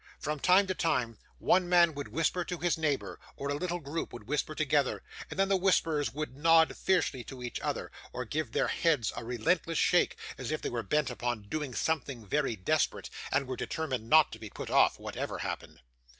From time to time, one man would whisper to his neighbour, or a little group would whisper together, and then the whisperers would nod fiercely to each other, or give their heads a relentless shake, as if they were bent upon doing something very desperate, and were determined not to be put off, whatever happened.